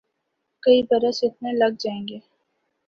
کئی برس اس میں لگ جائیں گے۔